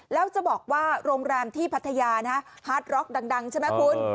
แล้วจะบอกว่าโรงแรมที่พัทยานะฮาร์ดร็อกดังใช่ไหมคุณ